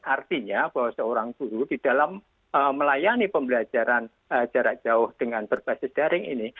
artinya bahwa seorang guru di dalam melayani pembelajaran jarak jauh dengan berbasis daring ini